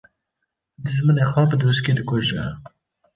Dijminê xwe bi doskî dikuje